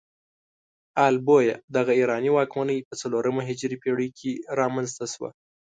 ال بویه دغه ایراني واکمنۍ په څلورمه هجري پيړۍ کې رامنځته شوه.